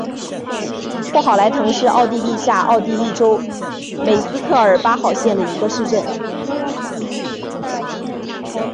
霍赫莱滕是奥地利下奥地利州米斯特尔巴赫县的一个市镇。